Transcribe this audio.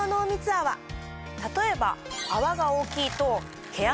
例えば。